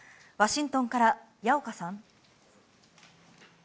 ワシントンから矢岡さん。